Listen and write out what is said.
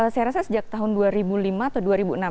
saya rasa sejak tahun dua ribu lima atau dua ribu enam belas